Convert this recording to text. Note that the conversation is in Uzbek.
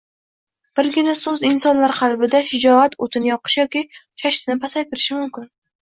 Birgina so‘z insonlar qalbida shijoat o‘tini yoqishi yoki shashtini pasaytirishi mumkin.